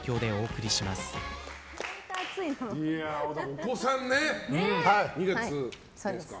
お子さんね、２月ですか。